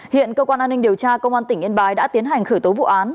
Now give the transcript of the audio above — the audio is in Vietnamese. hiện cơ quan an ninh điều tra công an tỉnh yên bái đã tiến hành khởi tố vụ án